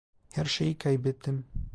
Her şeyi kaybettim.